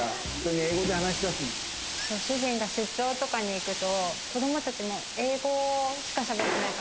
主人が出張とかに行くと。